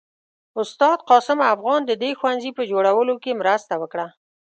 استاد قاسم افغان د دې ښوونځي په جوړولو کې مرسته وکړه.